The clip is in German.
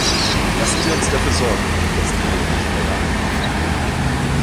Lassen Sie uns dafür sorgen, dass die Hilfe schneller ankommt!